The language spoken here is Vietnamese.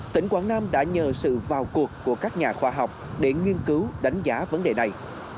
tỉnh quảng nam đã nhờ sự vào cuộc của các nhà khoa học để nghiên cứu đánh giá vấn đề này